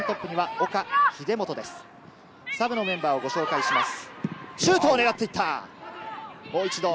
サブのメンバーをご紹介します。